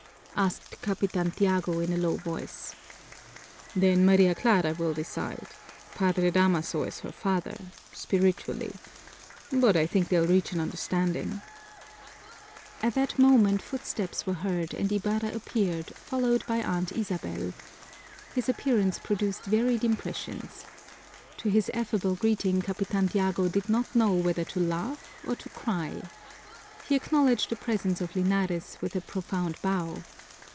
asked Capitan Tiago in a low voice. "Then Maria Clara will decide. Padre Damaso is her father spiritually. But I think they'll reach an understanding." At that moment footsteps were heard and Ibarra appeared, followed by Aunt Isabel. His appearance produced varied impressions. To his affable greeting Capitan Tiago did not know whether to laugh or to cry. He acknowledged the presence of Linares with a profound bow.